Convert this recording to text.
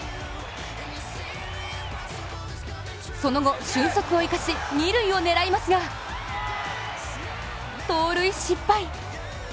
その後、俊足を生かし、二塁を狙いますが盗塁失敗。